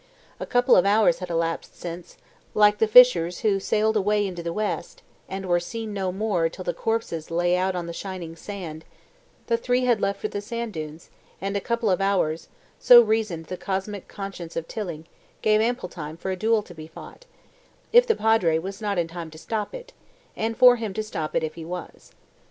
A couple of hours had elapsed since, like the fishers who sailed away into the West and were seen no more till the corpses lay out on the shining sand, the three had left for the sand dunes, and a couple of hours, so reasoned the Cosmic Consciousness of Tilling, gave ample time for a duel to be fought, if the Padre was not in time to stop it, and for him to stop it if he was.